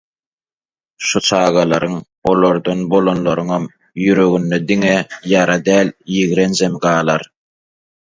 Şu çagalaryň, olardan bolanlaryňam ýüreginde diňe ýara däl, ýigrenjem galar.